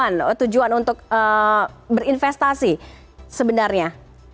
apa yang mahasiswa ini tujuan untuk berinvestasi sebenarnya